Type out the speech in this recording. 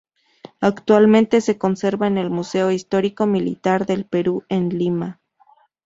Actualmente se conserva en el Museo Histórico Militar del Perú en Lima.